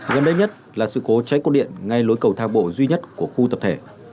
gần đây nhất là sự cố cháy cột điện ngay lối cầu thang bộ duy nhất của khu tập thể